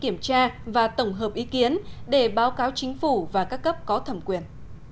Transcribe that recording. phù hợp ý kiến để báo cáo chính phủ và các cấp có thẩm quyền